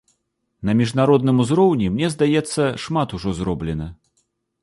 На міжнародным узроўні, мне здаецца, шмат ужо зроблена.